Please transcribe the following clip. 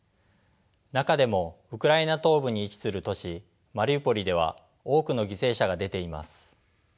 中でもウクライナ東部に位置する都市マリウポリでは多くの犠牲者が出ています。